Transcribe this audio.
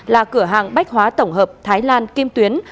là cửa hàng bách hóa tổng hợp thái lan kim tuyến